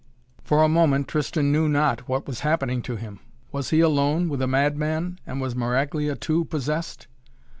For a moment Tristan knew not what has happening to him. Was he alone with a mad man and was Maraglia too possessed?